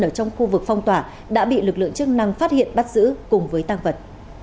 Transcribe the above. ở trong khu vực phong tỏa đã bị lực lượng chức năng phát hiện bắt giữ cùng với tăng vật